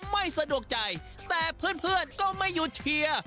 ไม่สะดวกใจแต่เพื่อนก็ไม่หยุดเชียร์